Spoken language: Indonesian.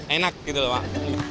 enak gitu loh pak